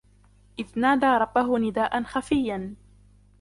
إذ نادى ربه نداء خفيا